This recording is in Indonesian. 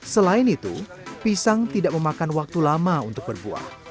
selain itu pisang tidak memakan waktu lama untuk berbuah